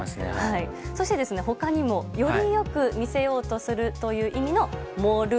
そして、他にもよりよく見せようとするという意味の「盛る」。